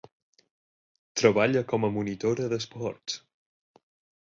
Treballa com a monitora d'esports.